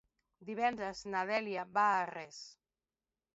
Divendres na Dèlia va a Arres.